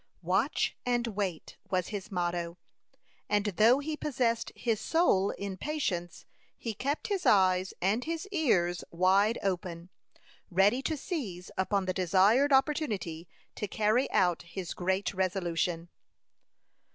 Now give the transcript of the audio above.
"Watch and wait," was his motto; and though he possessed his soul in patience, he kept his eyes and his ears wide open, ready to seize upon the desired opportunity to carry out his great resolution.